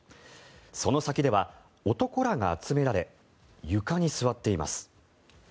その先では男らが集められ床に座っています。